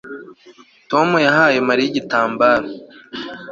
Tom yahaye Mariya igitambaro